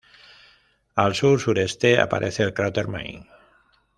Al sur-sureste aparece el cráter Main.